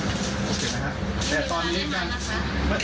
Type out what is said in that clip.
โอเคไหมครับแต่ตอนนี้ก็